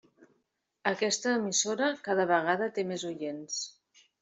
Aquesta emissora cada vegada té més oients.